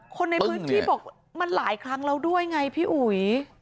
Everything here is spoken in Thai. คนในพื้นที่บอกมันหลายครั้งแล้วด้วยไงพี่อุ๋ย